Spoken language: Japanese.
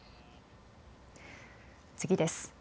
次です。